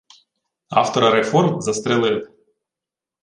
Автора реформ застрелили